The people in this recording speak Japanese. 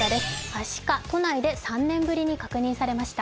はしか、都内で３年ぶりに確認されました。